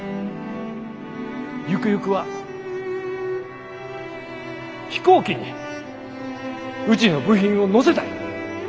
ゆくゆくは飛行機にうちの部品を載せたい。